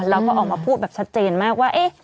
แล้วก็ออกมาพูดแบบชัดเจนมากว่า